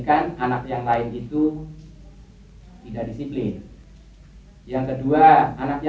kalau begitu om pamit dulu ya